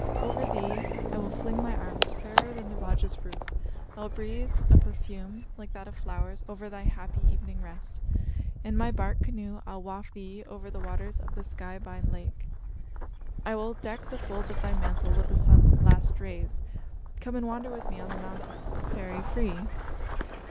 Over thee I will fling my arms, fairer than the lodge's roof. I will breathe a perfume like that of flowers over thy happy evening rest. In my bark canoe I'll waft thee over the waters of the sky bine lake. I will deck the folds of thy mantle with the sun's last rays. Come and wander with me on the mountains, a fairy free!"